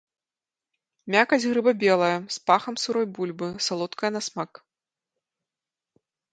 Мякаць грыба белая, з пахам сырой бульбы, салодкая на смак.